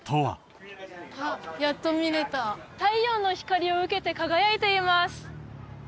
あっやっと見れた太陽の光を受けて輝いています